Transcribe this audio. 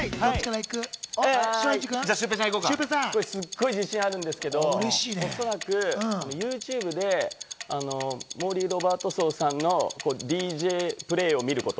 すごい自信あるんですけど、おそらくＹｏｕＴｕｂｅでモーリー・ロバートソンさんのＤＪプレイを見ること。